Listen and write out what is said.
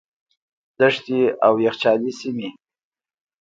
دښتې او یخچالي سیمې.